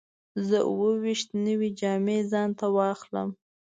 زه اووه ویشت نوې جامې ځان ته واخلم.